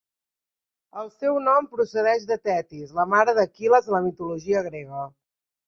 El seu nom procedeix de Tetis, la mare d'Aquil·les a la mitologia grega.